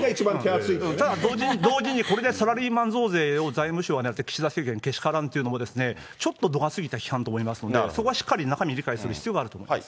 ただ同時に、これでサラリーマン増税が財務省がやって岸田政権けしからんというのも、ちょっと度が過ぎた批判と思いますので、そこはしっかり中身理解する必要があると思います。